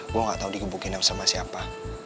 gue gak tau digebukin yang sama siapa